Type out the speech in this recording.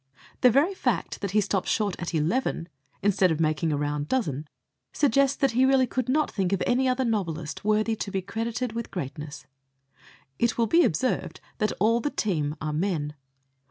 The very fact that he stops short at eleven, instead of making a round dozen, suggests that he really could not think of any other novelist worthy to be credited with greatness. It will be observed that all the team are men.